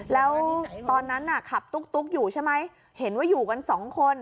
แล้วตอนนั้นน่ะขับตุ๊กอยู่ใช่ไหมเห็นว่าอยู่กันสองคน